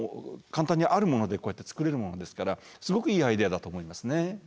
簡単にあるものでこうやって作れるものですからすごくいいアイデアだと思いますね。